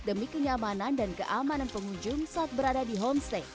demi kenyamanan dan keamanan pengunjung saat berada di homestay